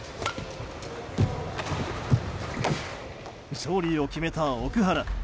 勝利を決めた奥原。